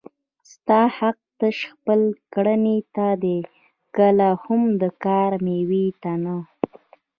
ستا حق تش خپل کړنې ته دی کله هم د کار مېوې ته نه